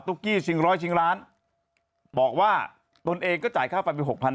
กี้ชิงร้อยชิงล้านบอกว่าตนเองก็จ่ายค่าไฟไปหกพัน